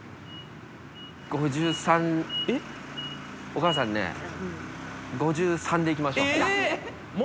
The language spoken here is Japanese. ５３、お母さんね、５３でいきましょう。